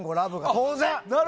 当然。